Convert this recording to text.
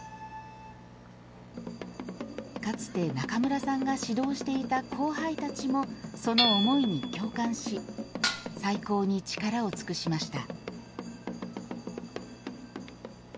かつて中村さんが指導していた後輩たちもその思いに共感し再興に力を尽くしました。